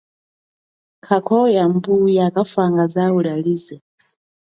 Khakha, wa mbuya kafanga zau lialize.